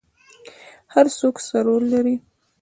هر څوک څه رول لري؟